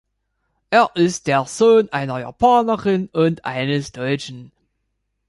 Er ist der Sohn einer Japanerin und eines Deutschen.